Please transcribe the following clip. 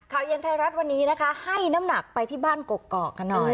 เย็นไทยรัฐวันนี้นะคะให้น้ำหนักไปที่บ้านกกอกกันหน่อย